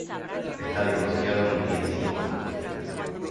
Está divorciado y tiene cinco hijos.